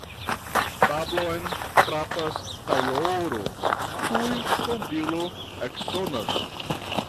Tablon frapas tajloro, tuj tondilo eksonas.